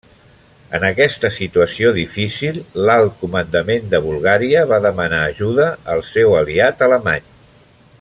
En aquesta situació difícil, l'alt comandament de Bulgària va demanar ajuda al seu aliat alemany.